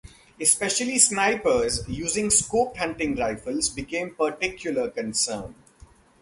Especially snipers using scoped hunting rifles became particular concern.